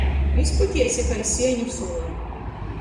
Izputiesi kai sieņu sula.